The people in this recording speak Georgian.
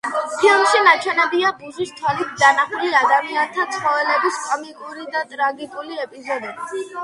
ფილმში ნაჩვენებია ბუზის თვალით დანახული ადამიანთა ცხოვრების კომიკური და ტრაგიკული ეპიზოდები.